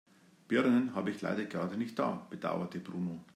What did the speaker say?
Birnen habe ich leider gerade nicht da, bedauerte Bruno.